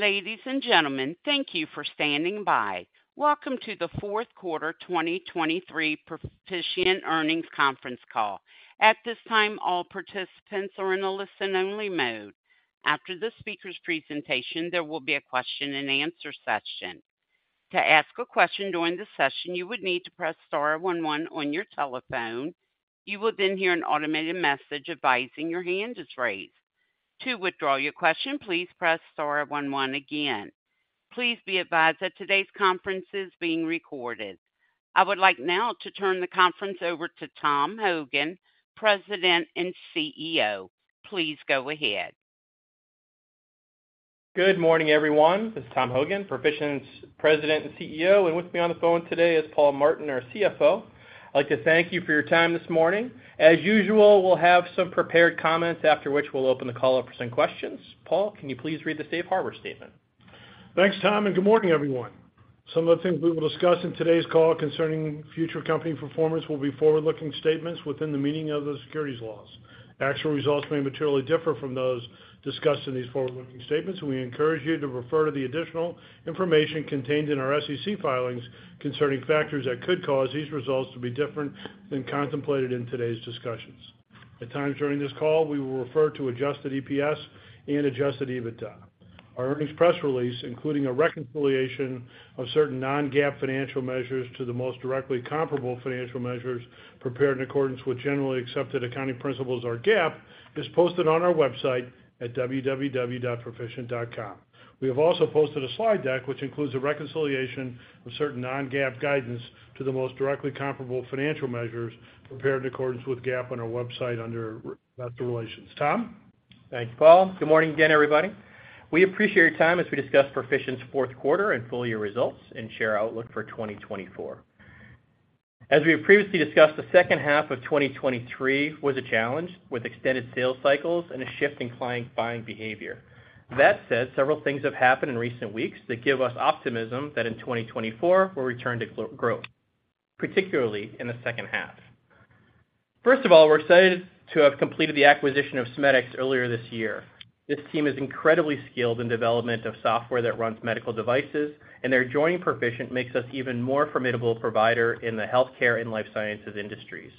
Ladies and gentlemen, thank you for standing by. Welcome to the Fourth Quarter 2023 Perficient Earnings Conference Call. At this time, all participants are in a listen-only mode. After the speaker's presentation, there will be a question-and-answer session. To ask a question during the session, you would need to press star one one on your telephone. You will then hear an automated message advising your hand is raised. To withdraw your question, please press star one one again. Please be advised that today's conference is being recorded. I would like now to turn the conference over to Tom Hogan, President and CEO. Please go ahead. Good morning, everyone. This is Tom Hogan, Perficient's President and CEO, and with me on the phone today is Paul Martin, our CFO. I'd like to thank you for your time this morning. As usual, we'll have some prepared comments after which we'll open the call up for some questions. Paul, can you please read the Safe Harbor Statement? Thanks, Tom, and good morning, everyone. Some of the things we will discuss in today's call concerning future company performance will be forward-looking statements within the meaning of those securities laws. Actual results may materially differ from those discussed in these forward-looking statements, and we encourage you to refer to the additional information contained in our SEC filings concerning factors that could cause these results to be different than contemplated in today's discussions. At times during this call, we will refer to Adjusted EPS and Adjusted EBITDA. Our earnings press release, including a reconciliation of certain non-GAAP financial measures to the most directly comparable financial measures prepared in accordance with generally accepted accounting principles or GAAP, is posted on our website at www.perficient.com. We have also posted a slide deck which includes a reconciliation of certain non-GAAP guidance to the most directly comparable financial measures prepared in accordance with GAAP on our website under investor relations. Tom? Thank you, Paul. Good morning again, everybody. We appreciate your time as we discuss Perficient's fourth quarter and full-year results and share our outlook for 2024. As we have previously discussed, the second half of 2023 was a challenge with extended sales cycles and a shift in client buying behavior. That said, several things have happened in recent weeks that give us optimism that in 2024 we'll return to growth, particularly in the second half. First of all, we're excited to have completed the acquisition of SMEDIX earlier this year. This team is incredibly skilled in development of software that runs medical devices, and their joining Perficient makes us even more a formidable provider in the healthcare and life sciences industries.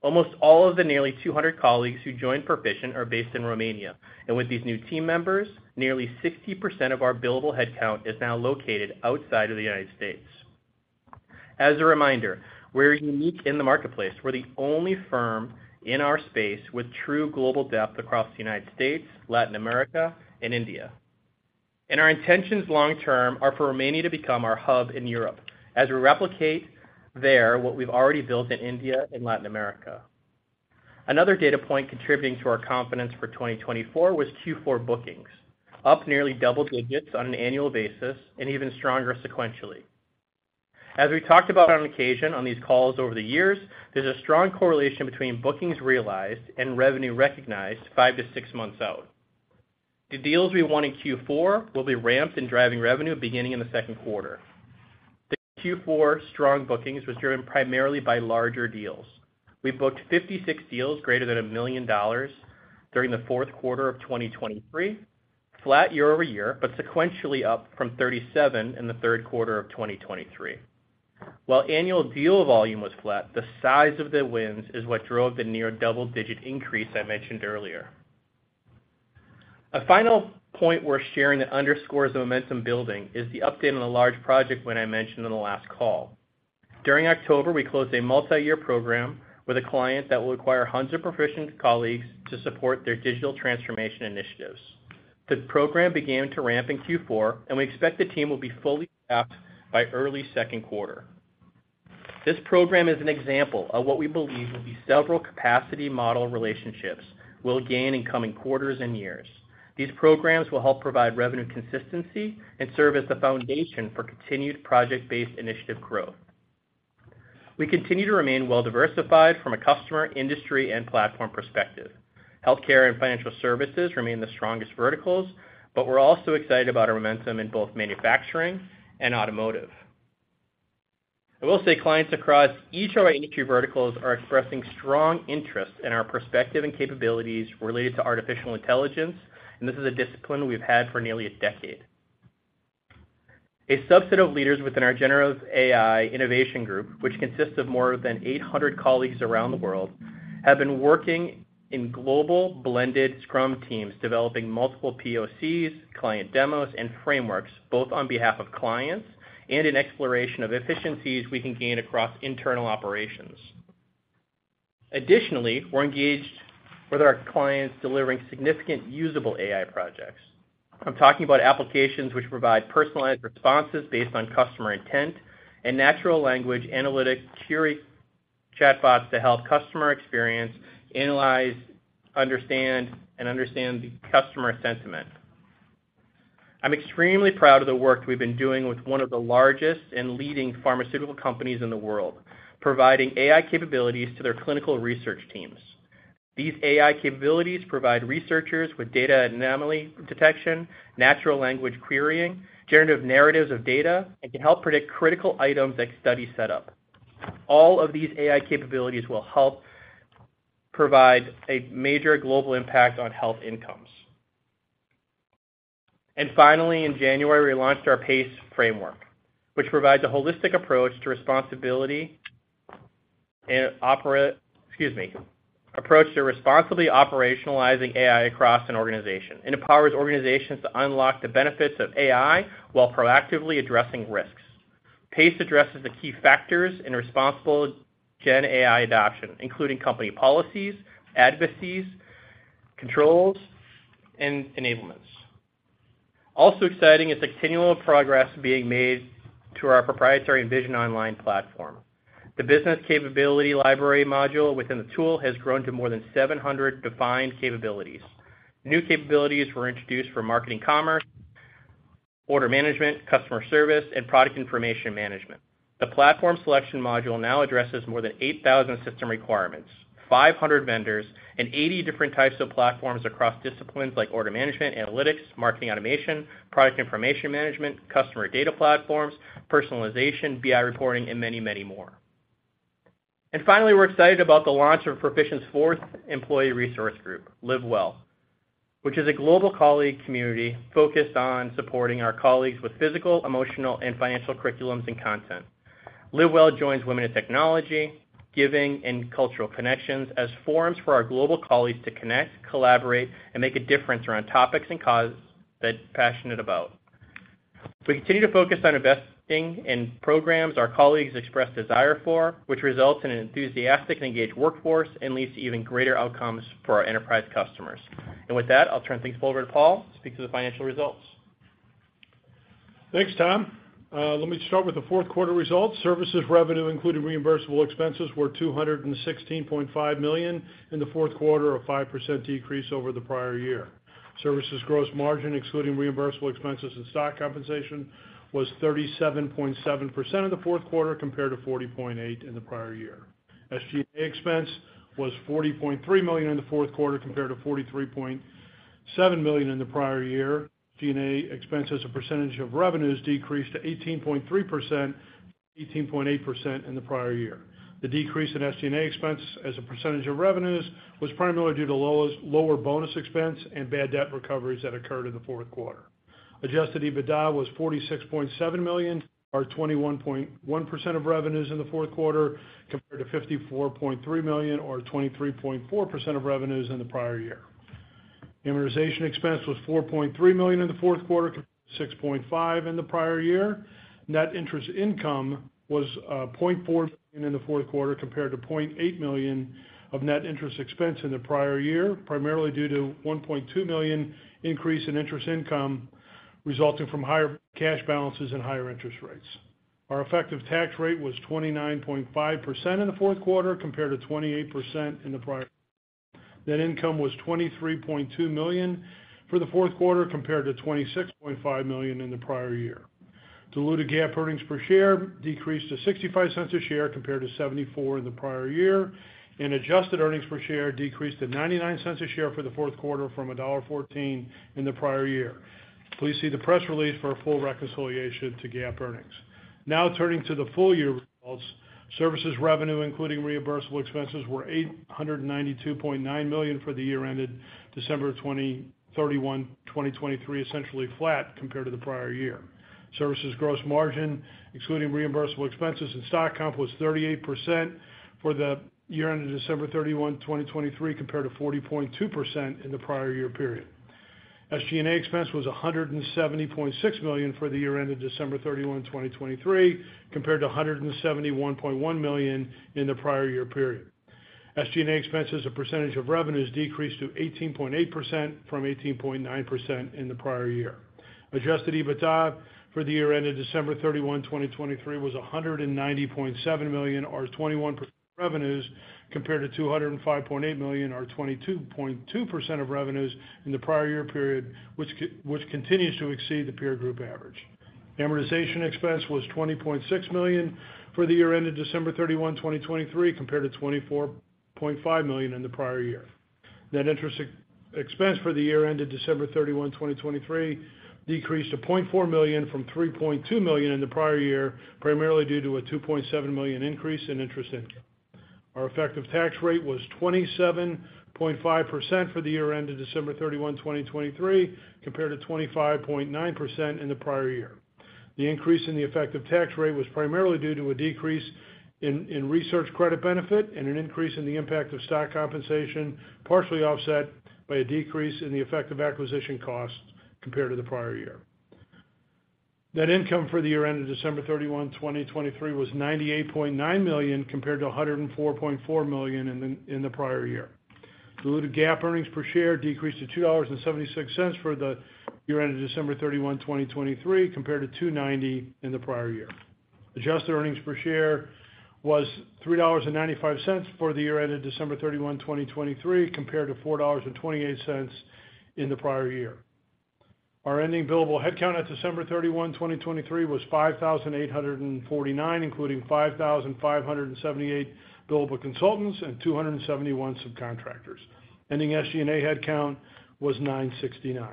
Almost all of the nearly 200 colleagues who joined Perficient are based in Romania, and with these new team members, nearly 60% of our billable headcount is now located outside of the United States. As a reminder, we're unique in the marketplace. We're the only firm in our space with true global depth across the United States, Latin America, and India. Our intentions long-term are for Romania to become our hub in Europe as we replicate there what we've already built in India and Latin America. Another data point contributing to our confidence for 2024 was Q4 bookings, up nearly double digits on an annual basis and even stronger sequentially. As we've talked about on occasion on these calls over the years, there's a strong correlation between bookings realized and revenue recognized five to six months out. The deals we won in Q4 will be ramped in driving revenue beginning in the second quarter. The Q4 strong bookings were driven primarily by larger deals. We booked 56 deals greater than $1 million during the fourth quarter of 2023, flat year-over-year, but sequentially up from 37 in the third quarter of 2023. While annual deal volume was flat, the size of the wins is what drove the near double-digit increase I mentioned earlier. A final point we're sharing that underscores the momentum building is the update on the large project win I mentioned on the last call. During October, we closed a multi-year program with a client that will require hundreds of Perficient colleagues to support their digital transformation initiatives. The program began to ramp in Q4, and we expect the team will be fully staffed by early second quarter. This program is an example of what we believe will be several capacity model relationships we'll gain in coming quarters and years. These programs will help provide revenue consistency and serve as the foundation for continued project-based initiative growth. We continue to remain well-diversified from a customer, industry, and platform perspective. Healthcare and financial services remain the strongest verticals, but we're also excited about our momentum in both manufacturing and automotive. I will say clients across each of our industry verticals are expressing strong interest in our perspective and capabilities related to artificial intelligence, and this is a discipline we've had for nearly a decade. A subset of leaders within our Generative AI Innovation Group, which consists of more than 800 colleagues around the world, have been working in global blended Scrum teams developing multiple POCs, client demos, and frameworks both on behalf of clients and in exploration of efficiencies we can gain across internal operations. Additionally, we're engaged with our clients delivering significant usable AI projects. I'm talking about applications which provide personalized responses based on customer intent and natural language analytic query chatbots to help customer experience analyze, understand, and understand the customer sentiment. I'm extremely proud of the work we've been doing with one of the largest and leading pharmaceutical companies in the world, providing AI capabilities to their clinical research teams. These AI capabilities provide researchers with data anomaly detection, natural language querying, generative narratives of data, and can help predict critical items that studies set up. All of these AI capabilities will help provide a major global impact on health incomes. Finally, in January, we launched our PACE Framework, which provides a holistic approach to responsibly operationalizing AI across an organization, and it powers organizations to unlock the benefits of AI while proactively addressing risks. PACE addresses the key factors in responsible Gen AI adoption, including company policies, advocacy controls, and enablements. Also exciting is the continual progress being made to our proprietary Envision Online platform. The Business Capability Library module within the tool has grown to more than 700 defined capabilities. New capabilities were introduced for marketing commerce, order management, customer service, and product information management. The platform selection module now addresses more than 8,000 system requirements, 500 vendors, and 80 different types of platforms across disciplines like order management, analytics, marketing automation, product information management, customer data platforms, personalization, BI reporting, and many, many more. And finally, we're excited about the launch of Perficient's fourth employee resource group, LiveWell, which is a global colleague community focused on supporting our colleagues with physical, emotional, and financial curriculums and content. LiveWell joins Women in Technology, Giving, and Cultural Connections as forums for our global colleagues to connect, collaborate, and make a difference around topics and causes they're passionate about. We continue to focus on investing in programs our colleagues express desire for, which results in an enthusiastic and engaged workforce and leads to even greater outcomes for our enterprise customers. And with that, I'll turn things forward to Paul to speak to the financial results. Thanks, Tom. Let me start with the fourth quarter results. Services revenue, including reimbursable expenses, were $216.5 million in the fourth quarter, a 5% decrease over the prior year. Services gross margin, excluding reimbursable expenses and stock compensation, was 37.7% in the fourth quarter compared to 40.8% in the prior year. SG&A expense was $40.3 million in the fourth quarter compared to $43.7 million in the prior year. SG&A expense as a percentage of revenues decreased to 18.3%, 18.8% in the prior year. The decrease in SG&A expense as a percentage of revenues was primarily due to lower bonus expense and bad debt recoveries that occurred in the fourth quarter. Adjusted EBITDA was $46.7 million, or 21.1% of revenues in the fourth quarter compared to $54.3 million, or 23.4% of revenues in the prior year. Incentive expense was $4.3 million in the fourth quarter, $6.5 million in the prior year. Net interest income was $0.4 million in the fourth quarter compared to $0.8 million of net interest expense in the prior year, primarily due to a $1.2 million increase in interest income resulting from higher cash balances and higher interest rates. Our effective tax rate was 29.5% in the fourth quarter compared to 28% in the prior year. Net income was $23.2 million for the fourth quarter compared to $26.5 million in the prior year. Diluted GAAP earnings per share decreased to $0.65 a share compared to $0.74 in the prior year, and adjusted earnings per share decreased to $0.99 a share for the fourth quarter from $1.14 in the prior year. Please see the press release for a full reconciliation to GAAP earnings. Now turning to the full-year results. Services revenue, including reimbursable expenses, were $892.9 million for the year ended December 31, 2023, essentially flat compared to the prior year. Services gross margin, excluding reimbursable expenses and stock comp, was 38% for the year ended December 31, 2023, compared to 40.2% in the prior year period. SG&A expense was $170.6 million for the year ended December 31, 2023, compared to $171.1 million in the prior year period. SG&A expense as a percentage of revenues decreased to 18.8% from 18.9% in the prior year. Adjusted EBITDA for the year ended December 31, 2023, was $190.7 million, or 21% of revenues compared to $205.8 million, or 22.2% of revenues in the prior year period, which continues to exceed the peer group average. Amortization expense was $20.6 million for the year ended December 31, 2023, compared to $24.5 million in the prior year. Net interest expense for the year ended December 31, 2023, decreased to $0.4 million from $3.2 million in the prior year, primarily due to a $2.7 million increase in interest income. Our effective tax rate was 27.5% for the year ended December 31, 2023, compared to 25.9% in the prior year. The increase in the effective tax rate was primarily due to a decrease in research credit benefit and an increase in the impact of stock compensation, partially offset by a decrease in the effective acquisition costs compared to the prior year. Net income for the year ended December 31, 2023, was $98.9 million compared to $104.4 million in the prior year. Diluted GAAP earnings per share decreased to $2.76 for the year ended December 31, 2023, compared to $2.90 in the prior year. Adjusted earnings per share was $3.95 for the year ended December 31, 2023, compared to $4.28 in the prior year. Our ending billable headcount at December 31, 2023, was 5,849, including 5,578 billable consultants and 271 subcontractors. Ending SG&A headcount was 969.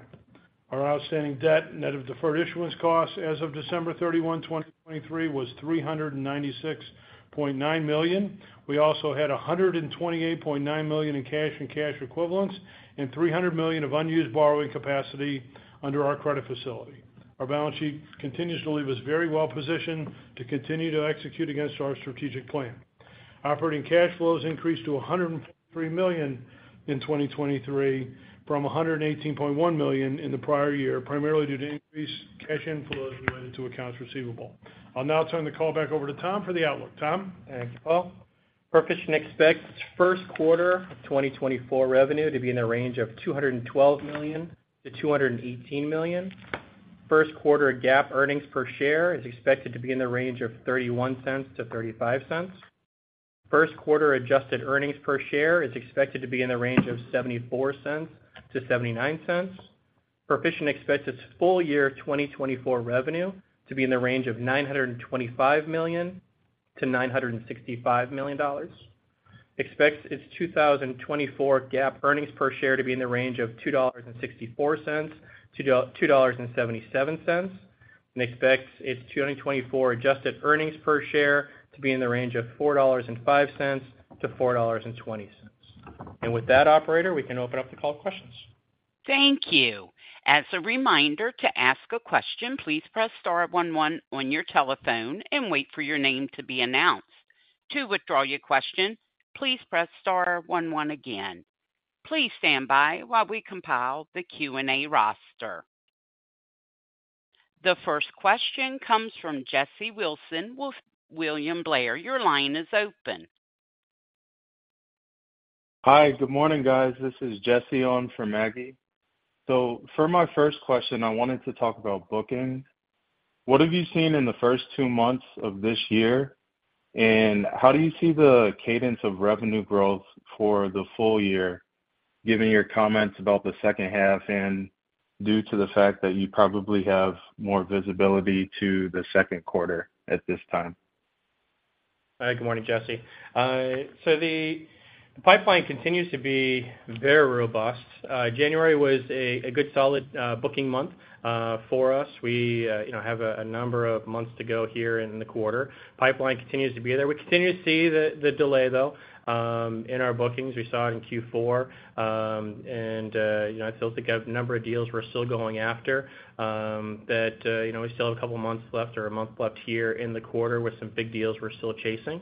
Our outstanding debt, net of deferred issuance costs as of December 31, 2023, was $396.9 million. We also had $128.9 million in cash and cash equivalents and $300 million of unused borrowing capacity under our credit facility. Our balance sheet continues to leave us very well positioned to continue to execute against our strategic plan. Operating cash flows increased to $103 million in 2023 from $118.1 million in the prior year, primarily due to increased cash inflows related to accounts receivable. I'll now turn the call back over to Tom for the outlook. Tom. Thank you, Paul. Perficient expects first quarter of 2024 revenue to be in the range of $212 million-$218 million. First quarter GAAP earnings per share is expected to be in the range of $0.31-$0.35. First quarter adjusted earnings per share is expected to be in the range of $0.74-$0.79. Perficient expects its full-year 2024 revenue to be in the range of $925 million-$965 million. Expects its 2024 GAAP earnings per share to be in the range of $2.64-$2.77 and expects its 2024 adjusted earnings per share to be in the range of $4.05-$4.20. With that, operator, we can open up the call for questions. Thank you. As a reminder to ask a question, please press star one one on your telephone and wait for your name to be announced. To withdraw your question, please press star one one again. Please stand by while we compile the Q&A roster. The first question comes from Jesse Wilson, William Blair. Your line is open. Hi. Good morning, guys. This is Jesse on from Maggie. So for my first question, I wanted to talk about bookings. What have you seen in the first two months of this year, and how do you see the cadence of revenue growth for the full year, given your comments about the second half and due to the fact that you probably have more visibility to the second quarter at this time? Hi. Good morning, Jesse. So the pipeline continues to be very robust. January was a good solid booking month for us. We have a number of months to go here in the quarter. Pipeline continues to be there. We continue to see the delay, though, in our bookings. We saw it in Q4. And I still think we have a number of deals we're still going after that we still have a couple of months left or a month left here in the quarter with some big deals we're still chasing.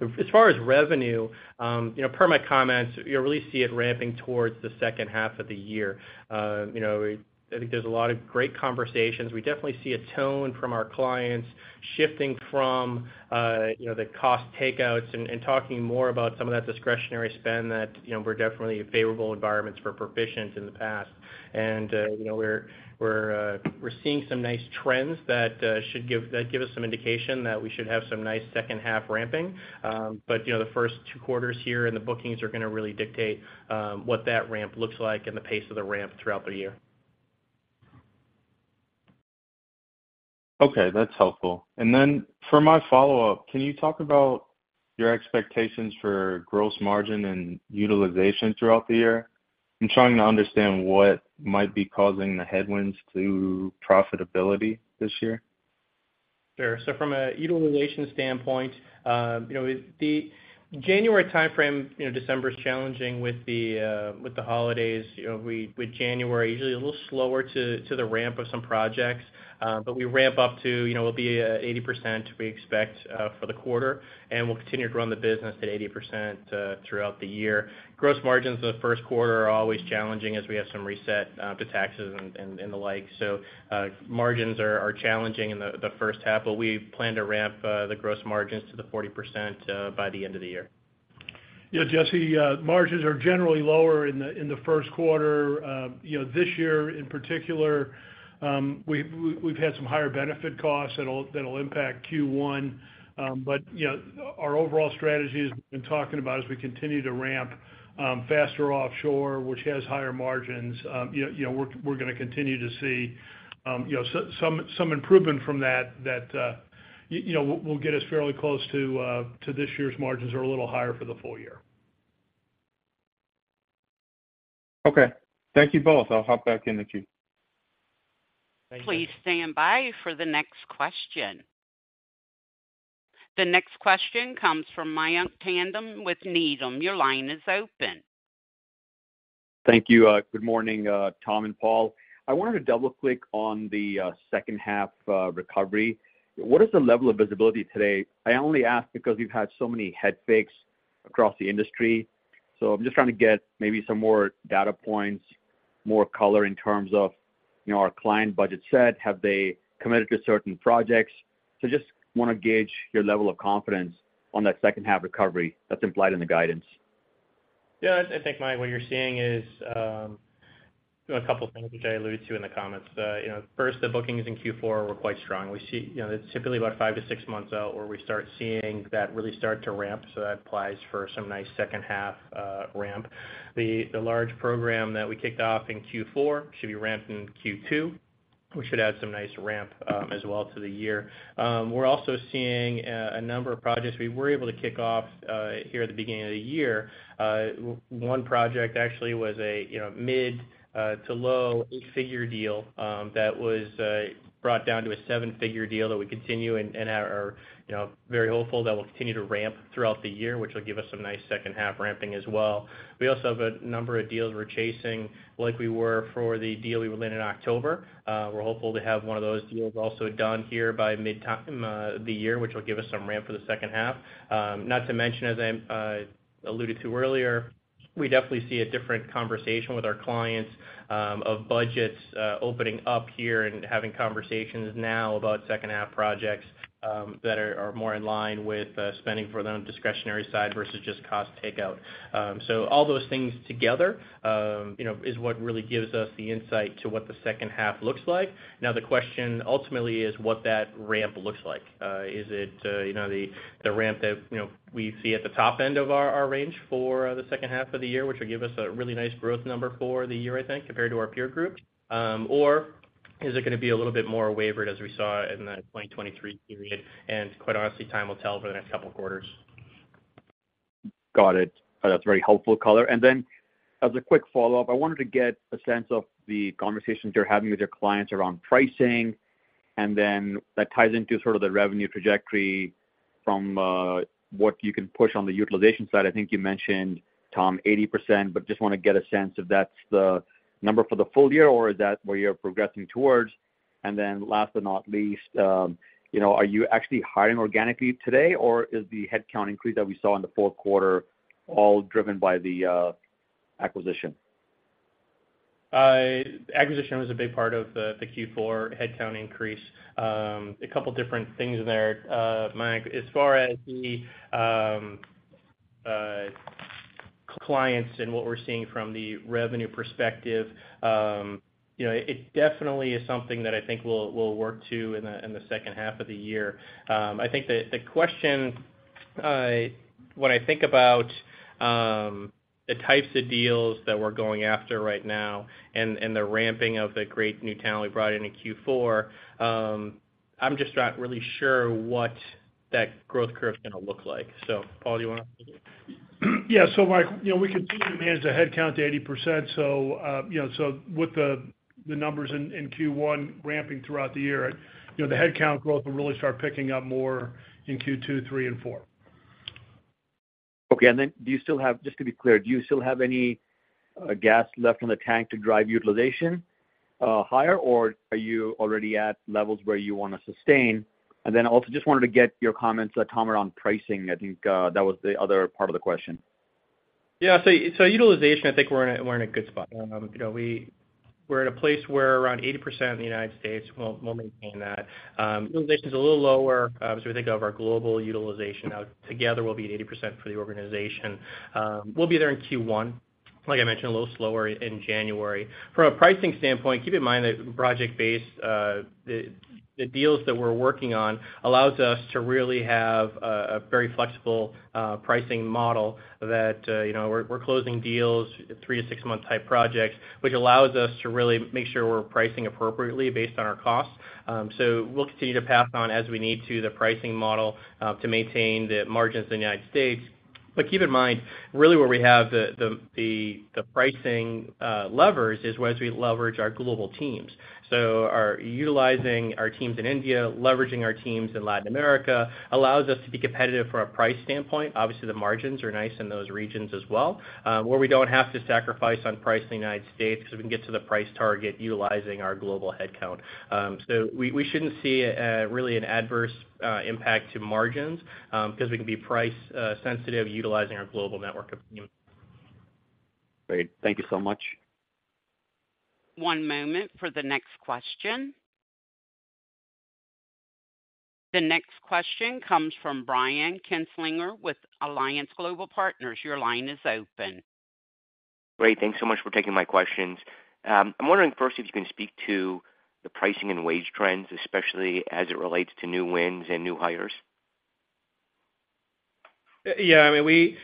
As far as revenue, per my comments, you'll really see it ramping towards the second half of the year. I think there's a lot of great conversations. We definitely see a tone from our clients shifting from the cost takeouts and talking more about some of that discretionary spend that were definitely favorable environments for Perficient in the past. We're seeing some nice trends that should give us some indication that we should have some nice second half ramping. But the first two quarters here and the bookings are going to really dictate what that ramp looks like and the pace of the ramp throughout the year. Okay. That's helpful. And then for my follow-up, can you talk about your expectations for gross margin and utilization throughout the year? I'm trying to understand what might be causing the headwinds to profitability this year. Sure. So from a utilization standpoint, the January timeframe, December is challenging with the holidays. With January, usually a little slower to the ramp of some projects, but we ramp up to it'll be 80% we expect for the quarter, and we'll continue to run the business at 80% throughout the year. Gross margins in the first quarter are always challenging as we have some reset to taxes and the like. So margins are challenging in the first half, but we plan to ramp the gross margins to the 40% by the end of the year. Yeah, Jesse, margins are generally lower in the first quarter. This year in particular, we've had some higher benefit costs that'll impact Q1. But our overall strategy is we've been talking about as we continue to ramp faster offshore, which has higher margins, we're going to continue to see some improvement from that that will get us fairly close to this year's margins are a little higher for the full year. Okay. Thank you both. I'll hop back in with you. Thank you. Please stand by for the next question. The next question comes from Mayank Tandon with Needham. Your line is open. Thank you. Good morning, Tom and Paul. I wanted to double-click on the second half recovery. What is the level of visibility today? I only ask because we've had so many head fakes across the industry. So I'm just trying to get maybe some more data points, more color in terms of our client budget set. Have they committed to certain projects? So just want to gauge your level of confidence on that second half recovery that's implied in the guidance. Yeah. I think, Mayank, what you're seeing is a couple of things which I alluded to in the comments. First, the bookings in Q4 were quite strong. It's typically about five to six months out where we start seeing that really start to ramp. So that applies for some nice second half ramp. The large program that we kicked off in Q4 should be ramped in Q2, which should add some nice ramp as well to the year. We're also seeing a number of projects we were able to kick off here at the beginning of the year. One project actually was a mid- to low eight-figure deal that was brought down to a seven-figure deal that we continue and are very hopeful that will continue to ramp throughout the year, which will give us some nice second half ramping as well. We also have a number of deals we're chasing like we were for the deal we were in in October. We're hopeful to have one of those deals also done here by midtime of the year, which will give us some ramp for the second half. Not to mention, as I alluded to earlier, we definitely see a different conversation with our clients of budgets opening up here and having conversations now about second half projects that are more in line with spending for them discretionary side versus just cost takeout. So all those things together is what really gives us the insight to what the second half looks like. Now, the question ultimately is what that ramp looks like. Is it the ramp that we see at the top end of our range for the second half of the year, which will give us a really nice growth number for the year, I think, compared to our peer group? Or is it going to be a little bit more wavered as we saw in the 2023 period? Quite honestly, time will tell over the next couple of quarters. Got it. That's very helpful color. And then as a quick follow-up, I wanted to get a sense of the conversations you're having with your clients around pricing. And then that ties into sort of the revenue trajectory from what you can push on the utilization side. I think you mentioned, Tom, 80%, but just want to get a sense if that's the number for the full year, or is that where you're progressing towards? And then last but not least, are you actually hiring organically today, or is the headcount increase that we saw in the fourth quarter all driven by the acquisition? Acquisition was a big part of the Q4 headcount increase. A couple of different things there. Mayank, as far as the clients and what we're seeing from the revenue perspective, it definitely is something that I think will work to in the second half of the year. I think the question, when I think about the types of deals that we're going after right now and the ramping of the great new talent we brought in in Q4, I'm just not really sure what that growth curve is going to look like. So, Paul, do you want to? Yeah. So, Mayank, we continue to manage the headcount to 80%. So with the numbers in Q1 ramping throughout the year, the headcount growth will really start picking up more in Q2, 3, and 4. Okay. And then do you still have just to be clear, do you still have any gas left in the tank to drive utilization higher, or are you already at levels where you want to sustain? And then also just wanted to get your comments, Tom, around pricing. I think that was the other part of the question. Yeah. So utilization, I think we're in a good spot. We're at a place where around 80% in the United States. We'll maintain that. Utilization is a little lower as we think of our global utilization. Now, together, we'll be at 80% for the organization. We'll be there in Q1, like I mentioned, a little slower in January. From a pricing standpoint, keep in mind that project-based, the deals that we're working on allows us to really have a very flexible pricing model that we're closing deals, three to six-month type projects, which allows us to really make sure we're pricing appropriately based on our costs. So we'll continue to pass on as we need to the pricing model to maintain the margins in the United States. But keep in mind, really, where we have the pricing levers is whereas we leverage our global teams. Utilizing our teams in India, leveraging our teams in Latin America allows us to be competitive from a price standpoint. Obviously, the margins are nice in those regions as well, where we don't have to sacrifice on price in the United States because we can get to the price target utilizing our global headcount. We shouldn't see really an adverse impact to margins because we can be price-sensitive utilizing our global network of teams. Great. Thank you so much. One moment for the next question. The next question comes from Brian Kinstlinger with Alliance Global Partners. Your line is open. Great. Thanks so much for taking my questions. I'm wondering first if you can speak to the pricing and wage trends, especially as it relates to new wins and new hires. Yeah. I mean,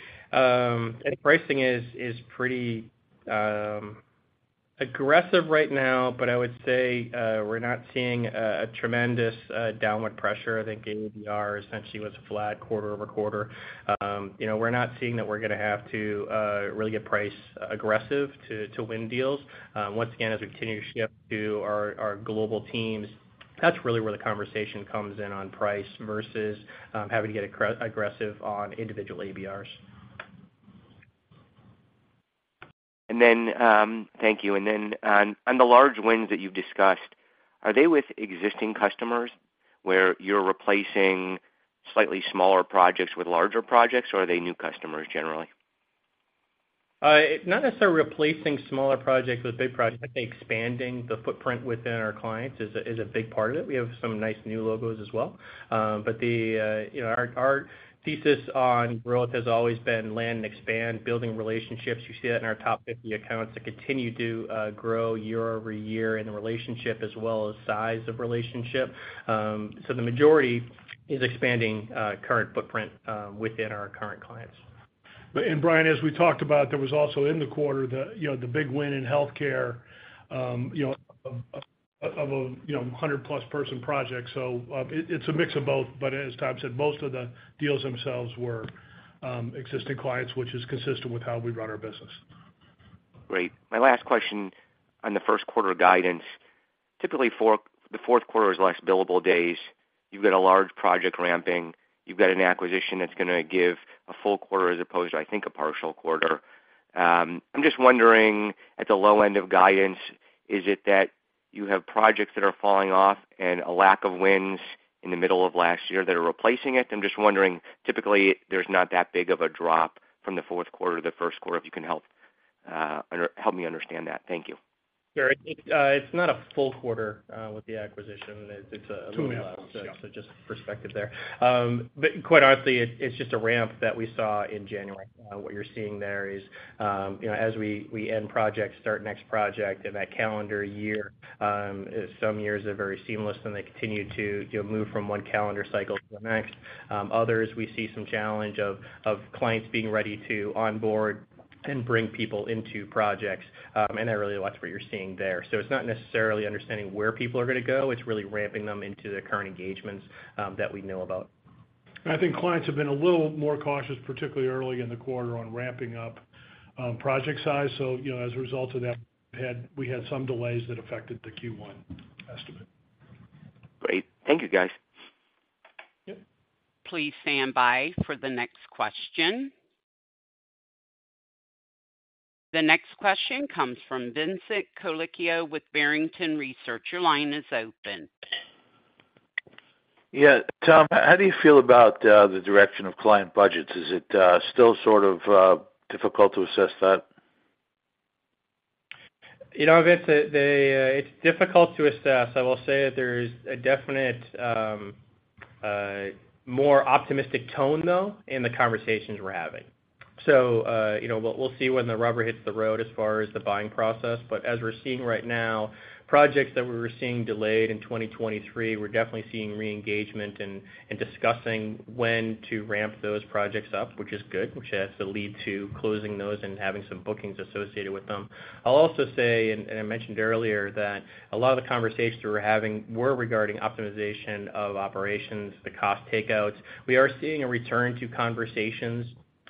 pricing is pretty aggressive right now, but I would say we're not seeing a tremendous downward pressure. I think ABR essentially was flat quarter-over-quarter. We're not seeing that we're going to have to really get price aggressive to win deals. Once again, as we continue to shift to our global teams, that's really where the conversation comes in on price versus having to get aggressive on individual ABRs. Thank you. On the large wins that you've discussed, are they with existing customers where you're replacing slightly smaller projects with larger projects, or are they new customers generally? Not necessarily replacing smaller projects with big projects. I think expanding the footprint within our clients is a big part of it. We have some nice new logos as well. But our thesis on growth has always been land and expand, building relationships. You see that in our top 50 accounts that continue to grow year-over-year in the relationship as well as size of relationship. So the majority is expanding current footprint within our current clients. Brian, as we talked about, there was also in the quarter the big win in healthcare of a 100+-person project. So it's a mix of both. But as Tom said, most of the deals themselves were existing clients, which is consistent with how we run our business. Great. My last question on the first quarter guidance. Typically, the fourth quarter is less billable days. You've got a large project ramping. You've got an acquisition that's going to give a full quarter as opposed to, I think, a partial quarter. I'm just wondering at the low end of guidance, is it that you have projects that are falling off and a lack of wins in the middle of last year that are replacing it? I'm just wondering. Typically, there's not that big of a drop from the fourth quarter to the first quarter, if you can help me understand that. Thank you. Sure. It's not a full quarter with the acquisition. It's a little less. So just perspective there. But quite honestly, it's just a ramp that we saw in January. What you're seeing there is as we end projects, start next project, in that calendar year, some years are very seamless, and they continue to move from one calendar cycle to the next. Others, we see some challenge of clients being ready to onboard and bring people into projects. And that really lacks what you're seeing there. So it's not necessarily understanding where people are going to go. It's really ramping them into the current engagements that we know about. I think clients have been a little more cautious, particularly early in the quarter, on ramping up project size. As a result of that, we had some delays that affected the Q1 estimate. Great. Thank you, guys. Yep. Please stand by for the next question. The next question comes from Vincent Colicchio with Barrington Research. Your line is open. Yeah. Tom, how do you feel about the direction of client budgets? Is it still sort of difficult to assess that? It's difficult to assess. I will say that there is a definite more optimistic tone, though, in the conversations we're having. So we'll see when the rubber hits the road as far as the buying process. But as we're seeing right now, projects that we were seeing delayed in 2023, we're definitely seeing reengagement and discussing when to ramp those projects up, which is good, which has to lead to closing those and having some bookings associated with them. I'll also say, and I mentioned earlier, that a lot of the conversations that we're having were regarding optimization of operations, the cost takeouts. We are seeing a return to conversations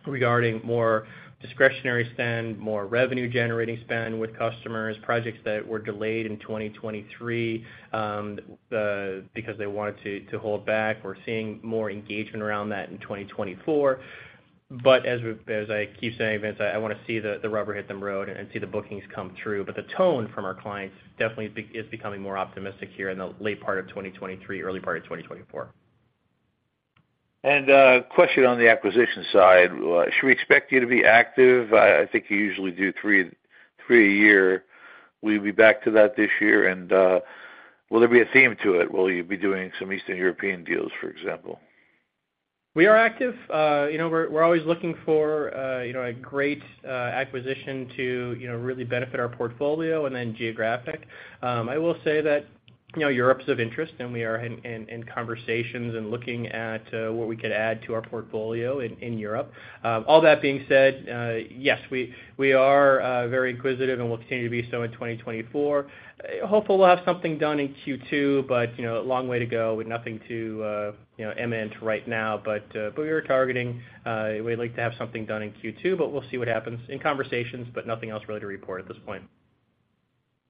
regarding more discretionary spend, more revenue-generating spend with customers, projects that were delayed in 2023 because they wanted to hold back. We're seeing more engagement around that in 2024. But as I keep saying, Vincent, I want to see the rubber hit the road and see the bookings come through. But the tone from our clients definitely is becoming more optimistic here in the late part of 2023, early part of 2024. Question on the acquisition side. Should we expect you to be active? I think you usually do three a year. Will you be back to that this year? And will there be a theme to it? Will you be doing some Eastern European deals, for example? We are active. We're always looking for a great acquisition to really benefit our portfolio and then geographic. I will say that Europe is of interest, and we are in conversations and looking at what we could add to our portfolio in Europe. All that being said, yes, we are very inquisitive, and we'll continue to be so in 2024. Hopeful, we'll have something done in Q2, but a long way to go with nothing too imminent right now. But we are targeting we'd like to have something done in Q2, but we'll see what happens in conversations, but nothing else really to report at this point.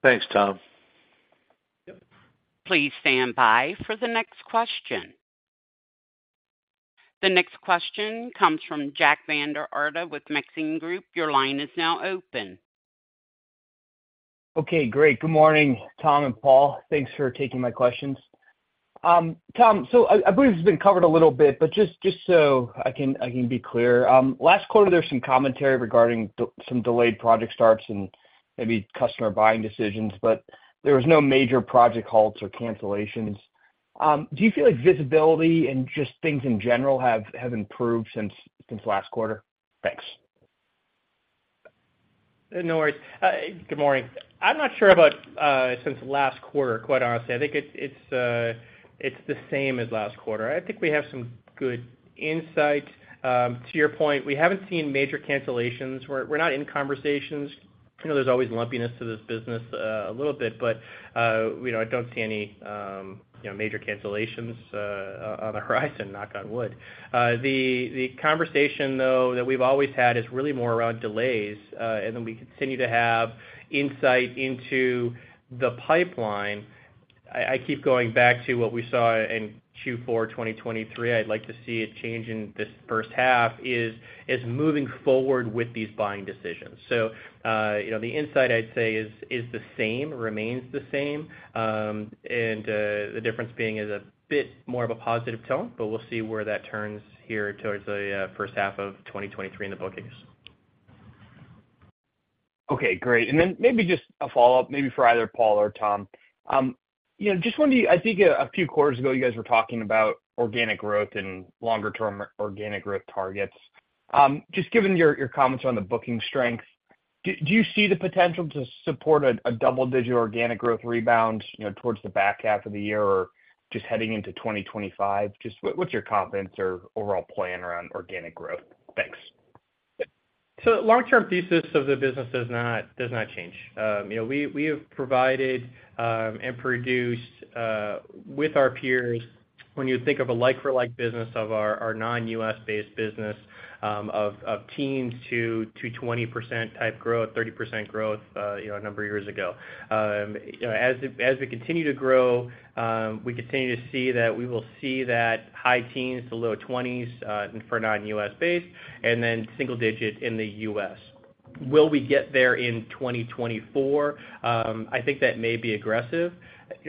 Thanks, Tom. Yep. Please stand by for the next question. The next question comes from Jack Vander Aarde with Maxim Group. Your line is now open. Okay. Great. Good morning, Tom and Paul. Thanks for taking my questions. Tom, so I believe it's been covered a little bit, but just so I can be clear, last quarter, there was some commentary regarding some delayed project starts and maybe customer buying decisions, but there was no major project halts or cancellations. Do you feel like visibility and just things in general have improved since last quarter? Thanks. No worries. Good morning. I'm not sure about since last quarter, quite honestly. I think it's the same as last quarter. I think we have some good insight. To your point, we haven't seen major cancellations. We're not in conversations. There's always lumpiness to this business a little bit, but I don't see any major cancellations on the horizon, knock on wood. The conversation, though, that we've always had is really more around delays. And then we continue to have insight into the pipeline. I keep going back to what we saw in Q4 2023. I'd like to see it change in this first half is moving forward with these buying decisions. So the insight, I'd say, is the same, remains the same, and the difference being is a bit more of a positive tone. We'll see where that turns here towards the first half of 2023 in the bookings. Okay. Great. Then maybe just a follow-up, maybe for either Paul or Tom. Just want to, I think, a few quarters ago, you guys were talking about organic growth and longer-term organic growth targets. Just given your comments on the booking strength, do you see the potential to support a double-digit organic growth rebound towards the back half of the year or just heading into 2025? What's your confidence or overall plan around organic growth? Thanks. So the long-term thesis of the business does not change. We have provided and produced with our peers, when you think of a like-for-like business of our non-U.S.-based business of teens to 20% type growth, 30% growth a number of years ago. As we continue to grow, we continue to see that we will see that high teens to low 20s for non-U.S.-based and then single-digit in the U.S.. Will we get there in 2024? I think that may be aggressive.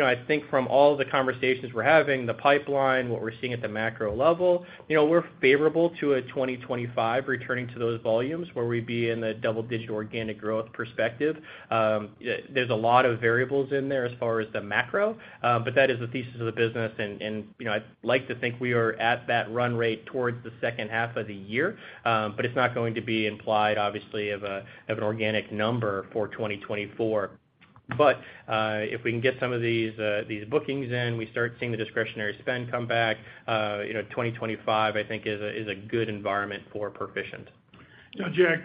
I think from all of the conversations we're having, the pipeline, what we're seeing at the macro level, we're favorable to a 2025 returning to those volumes where we'd be in the double-digit organic growth perspective. There's a lot of variables in there as far as the macro, but that is the thesis of the business. I'd like to think we are at that run rate towards the second half of the year, but it's not going to be implied, obviously, of an organic number for 2024. If we can get some of these bookings in, we start seeing the discretionary spend come back. 2025, I think, is a good environment for Perficient. Now, Jack,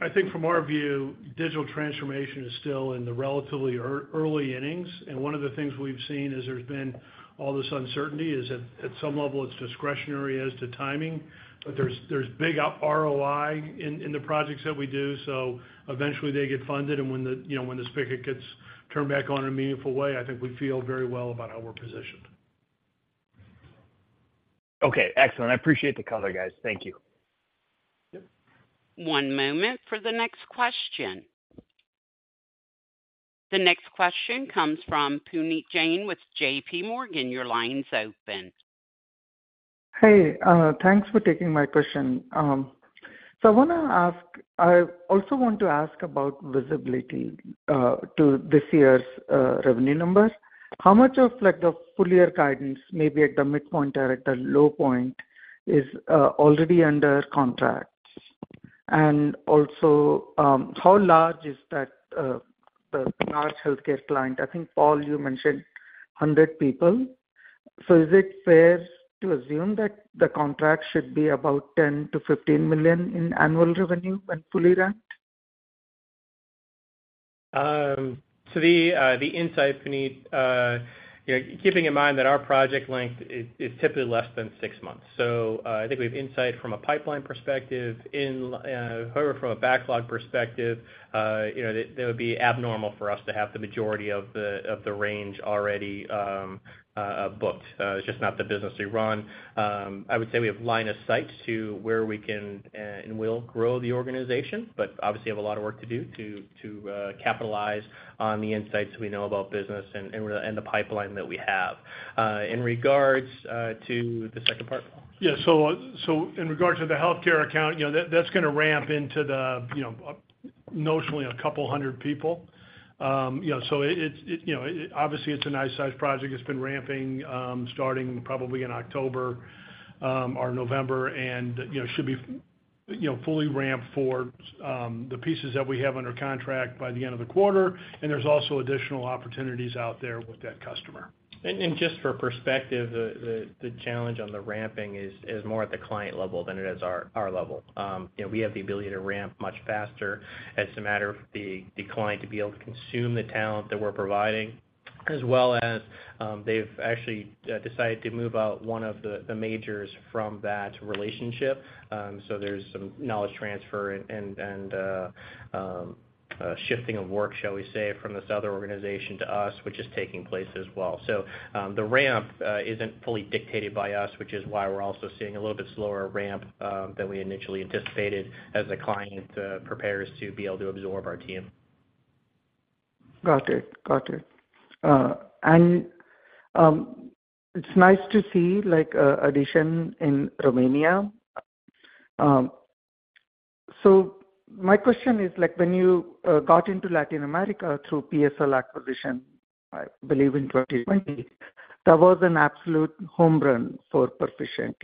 I think from our view, digital transformation is still in the relatively early innings. And one of the things we've seen is there's been all this uncertainty, is that at some level, it's discretionary as to timing, but there's big ROI in the projects that we do. So eventually, they get funded. And when this spigot gets turned back on in a meaningful way, I think we feel very well about how we're positioned. Okay. Excellent. I appreciate the color, guys. Thank you. Yep. One moment for the next question. The next question comes from Puneet Jain with JPMorgan. Your line's open. Hey. Thanks for taking my question. So I want to ask about visibility to this year's revenue numbers. How much of the full-year guidance, maybe at the midpoint or at the low point, is already under contract? And also, how large is the large healthcare client? I think, Paul, you mentioned 100 people. So is it fair to assume that the contract should be about $10 million-$15 million in annual revenue when fully ramped? So the insight, Puneet, keeping in mind that our project length is typically less than six months. So I think we have insight from a pipeline perspective. However, from a backlog perspective, it would be abnormal for us to have the majority of the range already booked. It's just not the business we run. I would say we have line of sight to where we can and will grow the organization, but obviously, have a lot of work to do to capitalize on the insights we know about business and the pipeline that we have in regards to the second part, Paul? Yeah. So in regards to the healthcare account, that's going to ramp into notionally 200 people. So obviously, it's a nice-sized project. It's been ramping starting probably in October or November and should be fully ramped for the pieces that we have under contract by the end of the quarter. And there's also additional opportunities out there with that customer. Just for perspective, the challenge on the ramping is more at the client level than it is our level. We have the ability to ramp much faster. It's a matter of the client to be able to consume the talent that we're providing, as well as they've actually decided to move out one of the majors from that relationship. There's some knowledge transfer and shifting of work, shall we say, from this other organization to us, which is taking place as well. The ramp isn't fully dictated by us, which is why we're also seeing a little bit slower ramp than we initially anticipated as the client prepares to be able to absorb our team. Got it. Got it. And it's nice to see addition in Romania. So my question is, when you got into Latin America through PSL acquisition, I believe in 2020, that was an absolute home run for Perficient.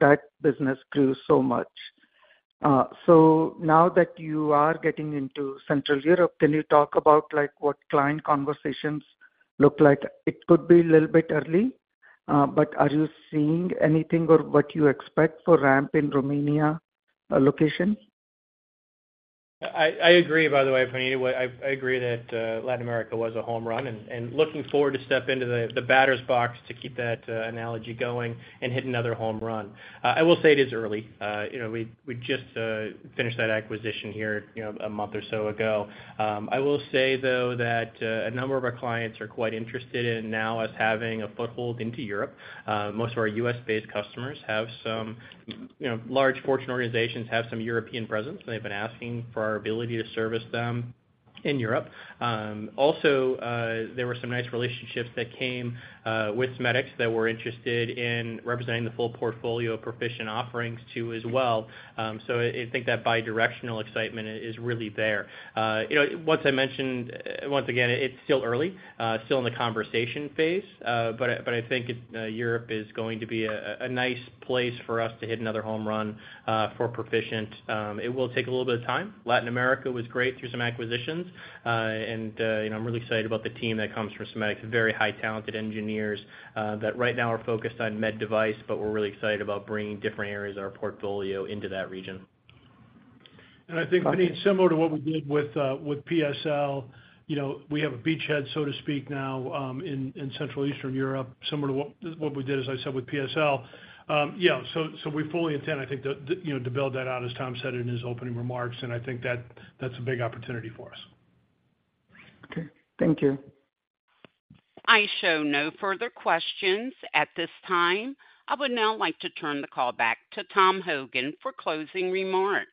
That business grew so much. So now that you are getting into Central Europe, can you talk about what client conversations look like? It could be a little bit early, but are you seeing anything or what you expect for ramp in Romania location? I agree, by the way, Puneet. I agree that Latin America was a home run and looking forward to stepping into the batter's box to keep that analogy going and hit another home run. I will say it is early. We just finished that acquisition here a month or so ago. I will say, though, that a number of our clients are quite interested in now us having a foothold into Europe. Most of our U.S.-based customers have some large Fortune organizations have some European presence, and they've been asking for our ability to service them in Europe. Also, there were some nice relationships that came with SMEDIX that were interested in representing the full portfolio of Perficient offerings too as well. So I think that bidirectional excitement is really there. Once I mentioned, once again, it's still early, still in the conversation phase, but I think Europe is going to be a nice place for us to hit another home run for Perficient. It will take a little bit of time. Latin America was great through some acquisitions, and I'm really excited about the team that comes from SMEDIX. Very high-talented engineers that right now are focused on med device, but we're really excited about bringing different areas of our portfolio into that region. And I think, Puneet, similar to what we did with PSL, we have a beachhead, so to speak, now in Central Eastern Europe, similar to what we did, as I said, with PSL. Yeah. So we fully intend, I think, to build that out, as Tom said in his opening remarks. And I think that's a big opportunity for us. Okay. Thank you. I show no further questions at this time. I would now like to turn the call back to Tom Hogan for closing remarks.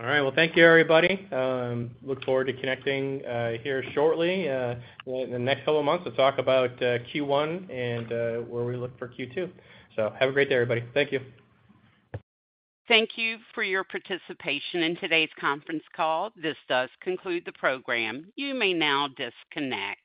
All right. Well, thank you, everybody. Look forward to connecting here shortly in the next couple of months to talk about Q1 and where we look for Q2. So have a great day, everybody. Thank you. Thank you for your participation in today's conference call. This does conclude the program. You may now disconnect.